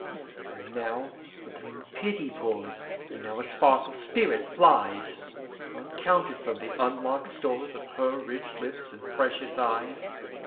And now a gleam of pity pours, And now a spark of spirit flies, Uncounted, from the unlock'd storesOf her rich lips and precious eyes.